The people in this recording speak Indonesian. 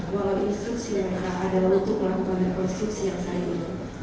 walau instruksi mereka adalah untuk melakukan rekonstruksi yang saya inginkan